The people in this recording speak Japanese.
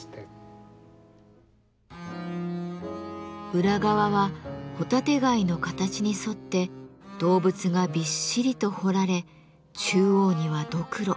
裏側は帆立て貝の形に沿って動物がびっしりと彫られ中央にはドクロ。